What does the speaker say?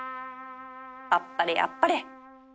あっぱれあっぱれ